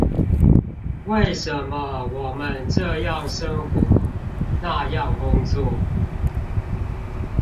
為什麼我們這樣生活，那樣工作？